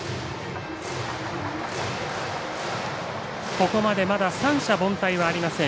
ここまでまだ三者凡退はありません。